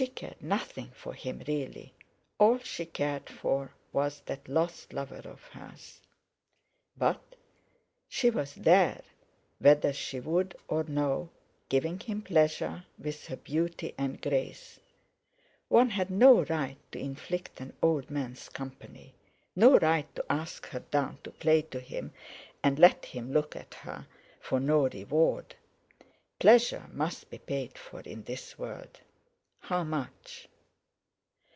She cared nothing for him, really; all she cared for was that lost lover of hers. But she was there, whether she would or no, giving him pleasure with her beauty and grace. One had no right to inflict an old man's company, no right to ask her down to play to him and let him look at her—for no reward! Pleasure must be paid for in this world. "How much?"